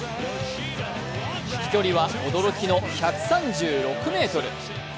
飛距離は驚きの１３６メートル。